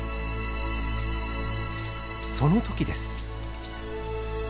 その時です。